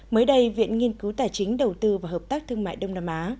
mới đây viện nghiên cứu tài chính đầu tư và hợp tác thương mại đông nam á